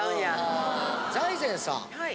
財前さん